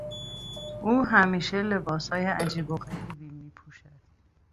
او همیشه لباسهای عجیب و غریبی میپوشد.